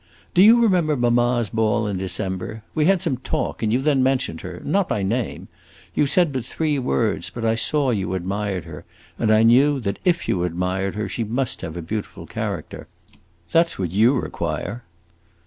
"Do you remember mamma's ball in December? We had some talk and you then mentioned her not by name. You said but three words, but I saw you admired her, and I knew that if you admired her she must have a beautiful character. That 's what you require!"